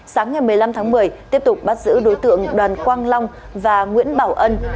sáng ngày một mươi năm tháng một mươi tiếp tục bắt giữ đối tượng đoàn quang long và nguyễn bảo ân